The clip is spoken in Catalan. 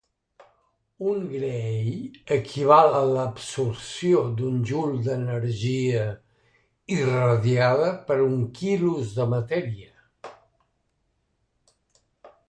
Un gray equival a l'absorció d'un joule d'energia irradiada per un quilos de matèria.